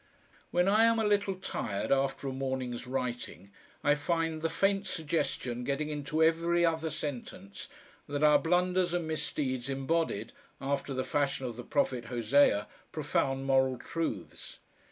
When I am a little tired after a morning's writing I find the faint suggestion getting into every other sentence that our blunders and misdeeds embodied, after the fashion of the prophet Hosea, profound moral truths.